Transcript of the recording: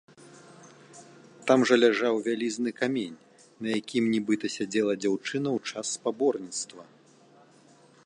Там жа ляжаў вялізны камень, на якім нібыта сядзела дзяўчына ў час спаборніцтва.